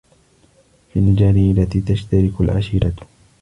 في الجريرة تشترك العشيرة